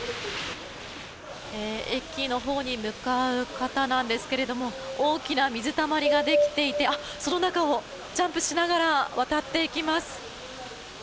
駅のほうに向かう方なんですけれど大きな水たまりができていてその中をジャンプしながら渡っていきます。